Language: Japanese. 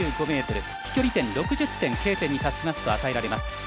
飛距離点６０点Ｋ点に達しますと与えられます。